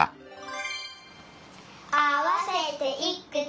あわせていくつ？